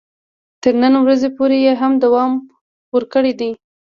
تر نن ورځې پورې یې هم دوام ورکړی دی.